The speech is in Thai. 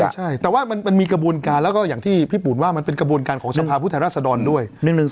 ใช่แต่ว่ามันมีกระบวนการแล้วก็อย่างที่พี่ปูนว่ามันเป็นกระบวนการของสภาพผู้แทนรัศดรด้วย